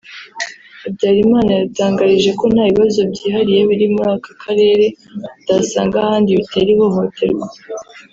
Habyarimana yadutangarije ko nta bibazo byihariye biri muri aka Karere utasanga ahandi bitera ihohoterwa